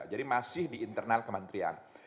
jadi masih di internal kementerian